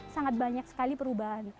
sangat banyak sekali perubahan